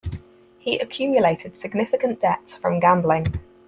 He accumulated significant debts from gambling.